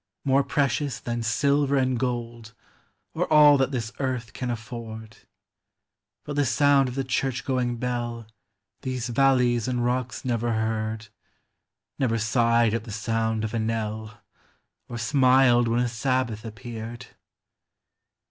— More precious than silver and gold, Or all that this earth can afford ; But the sound of the church going bell These valleys and rocks never heard, Never sighed at the sound of a knell, Or smiled when a Sabbath appeared.